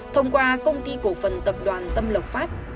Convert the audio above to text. thông qua công ty cổ phần tập đoàn tâm lộc phát